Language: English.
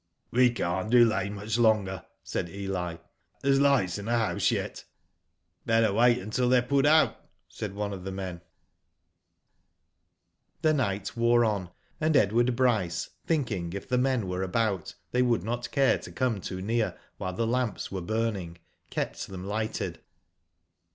"We can't delay much longer," said Eli ''There's lights in the house yet." " Better wait until they are put out," said on^ of the men. Digitized byGoogk ATTACK ON THE HOMESTEAD, .167 The night wore on, and Edward Bryce, thinking if the men were about, they would not care to come too near while the lamps were burning, kept them lighted.